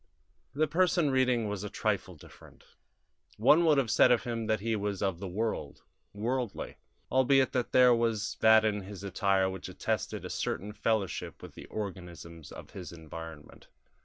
The person reading was a trifle different; one would have said of him that he was of the world, worldly, albeit there was that in his attire which attested a certain fellowship with the organisms of his environment.